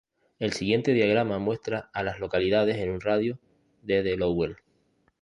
El siguiente diagrama muestra a las localidades en un radio de de Lowell.